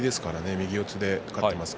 右四つかかっています。